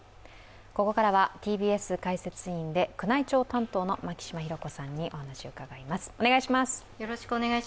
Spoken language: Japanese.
ここからはＴＢＳ解説委員で宮内庁担当の牧嶋博子さんにお話を伺います。